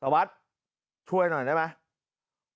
สารวัตรศิลป์ช่วยหน่อยได้ไหม